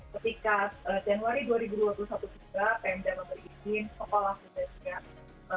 ketika januari dua ribu dua puluh satu juga pmjp memberi izin sekolah juga